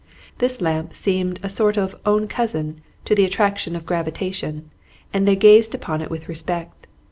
This lamp seemed a sort of own cousin to the attraction of gravitation, and they gazed upon it with respect.